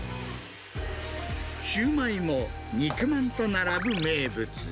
シューマイも、肉まんと並ぶ名物。